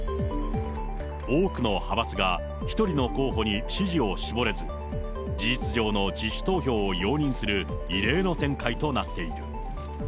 多くの派閥が１人の候補に支持を絞れず、事実上の自主投票を容認する異例の展開となっている。